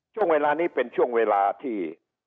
ช่วงเวลานี้เป็นช่วงเวลาที่